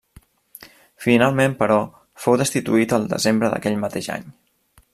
Finalment, però, fou destituït el desembre d'aquell mateix any.